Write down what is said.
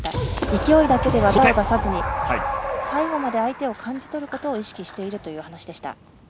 勢いだけでは技を出さずに最後まで相手を感じ取ることを意識しているという話でした。